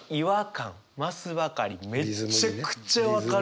めちゃくちゃ分かる。